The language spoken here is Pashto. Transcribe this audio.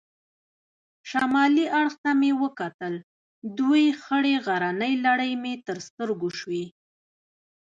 شمالي اړخ ته مې وکتل، دوې خړې غرنۍ لړۍ مې تر سترګو شوې.